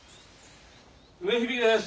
・梅響です。